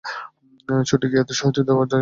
ছুটি কি এতই সহজে দেওয়া যায় কিম্বা নেওয়া যায়?